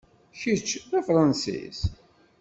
Kečč, d Afransis?